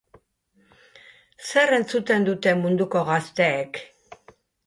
Zer entzuten dute munduko gazteek?